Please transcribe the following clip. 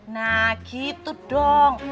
nah gitu dong